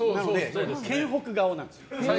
県北顔なんです。